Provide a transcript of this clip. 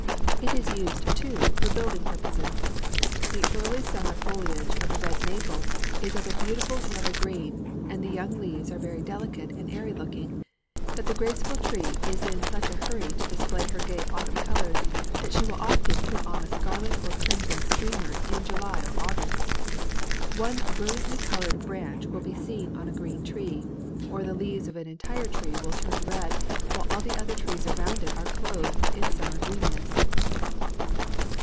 It is used, too, for building purposes. The early summer foliage of the red maple is of a beautiful yellow green, and the young leaves are very delicate and airy looking; but the graceful tree is in such a hurry to display her gay autumn colors that she will often put on a scarlet or crimson streamer in July or August. One brilliantly colored branch will be seen on a green tree, or the leaves of an entire tree will turn red while all the other trees around it are clothed in summer greenness."